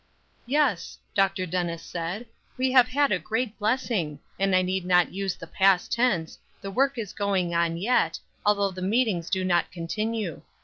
"Yes," Dr. Dennis said, "we have had a great blessing; and I need not use the past tense, the work is going on yet, although the meetings do not continue.